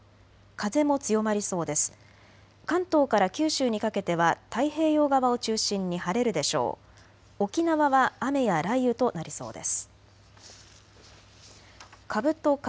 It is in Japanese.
風も強まりそうです。